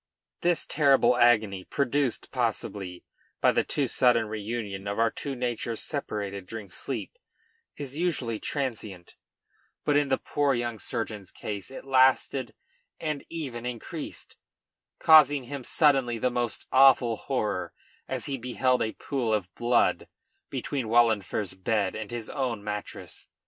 This terrible agony, produced, possibly, by the too sudden reunion of our two natures separated during sleep, is usually transient; but in the poor young surgeon's case it lasted, and even increased, causing him suddenly the most awful horror as he beheld a pool of blood between Wahlenfer's bed and his own mattress.